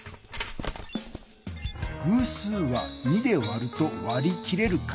偶数は２で割ると割り切れる数。